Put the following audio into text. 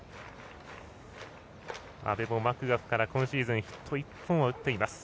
阿部もマクガフから今シーズンヒット１本を打っています。